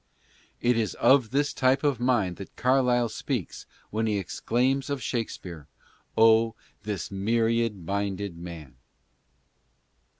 It is of this type of mind that Carlyle speaks when he exclaims of Shakspere ;" Oh, this myriad minded mar.